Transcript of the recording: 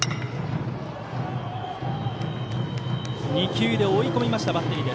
２球で追い込みましたバッテリー。